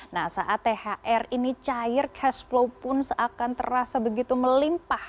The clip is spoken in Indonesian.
nah saat thr ini cair cash flow pun seakan terasa begitu melimpah